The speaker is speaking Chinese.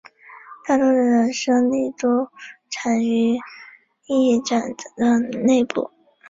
大多的升力都产生于翼展的内部。